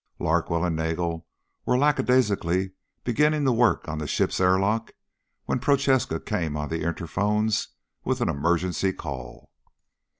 Larkwell and Nagel were lackadaisically beginning work on the ship's airlock when Prochaska came on the interphones with an emergency call.